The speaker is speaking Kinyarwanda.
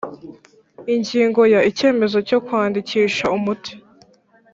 Ingingo ya Icyemezo cyo kwandikisha umuti